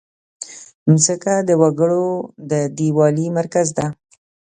مځکه د وګړو د یووالي مرکز ده.